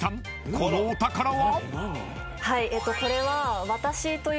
このお宝は？］